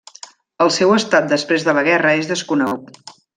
El seu estat després de la guerra és desconegut.